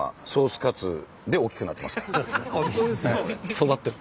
育ってる。